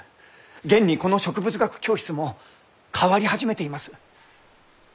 現にこの植物学教室も変わり始めています。